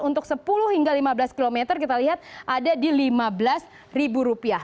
untuk sepuluh hingga lima belas km kita lihat ada di lima belas ribu rupiah